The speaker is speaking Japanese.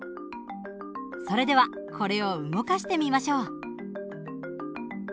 それではこれを動かしてみましょう。